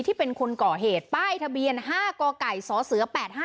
เป็นคนก่อเหตุป้ายทะเบียน๕กไก่สเส๘๕